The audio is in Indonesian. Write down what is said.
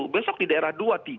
besok di daerah dua tiga